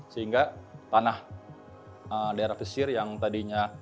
sehingga tanah daerah pesisir yang tadinya